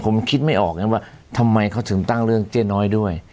ผมคิดไม่ออกนะว่าทำไมเขาถึงตั้งเรื่องเจ๊น้อยด้วย